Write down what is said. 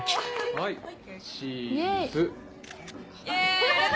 はい。